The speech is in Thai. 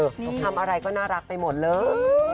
เขาทำอะไรก็น่ารักไปหมดเลย